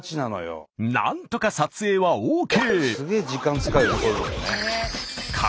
なんとか撮影はＯＫ。